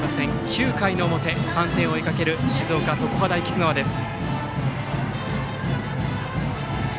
９回の表、３点を追いかける静岡・常葉大菊川です。